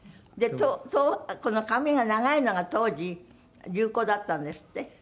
この髪が長いのが当時流行だったんですって？